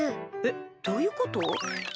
えっどういうこと？